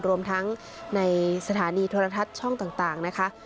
รวมทั้งในสถานีโทรทัศน์ช่องต่างนะคะ